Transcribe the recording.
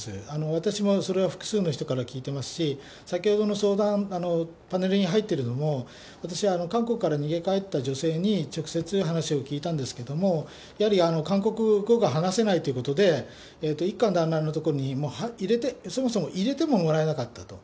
私もそれは複数の人から聞いてますし、先ほどの相談、パネルに入ってるのも、私、韓国から逃げ帰った女性に直接話を聞いたんですけど、やはり韓国語が話せないということで、一家だんらんの所に入れて、そもそも入れてももらえなかったと。